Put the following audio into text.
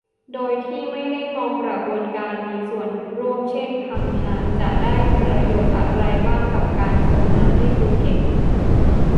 โดยที่ไม่ได้มองกระบวนการมีส่วนร่วม เช่น พังงาจะได้ประโยชน์อะไรบ้างกับการส่งน้ำให้ภูเก็ต